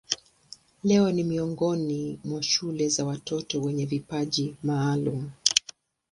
Leo ni miongoni mwa shule za watoto wenye vipaji maalumu.